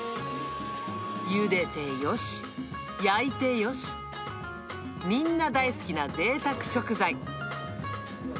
ゆでてよし、焼いてよし、みんな大好きなぜいたく食材。